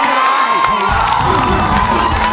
ก่อนกันไหม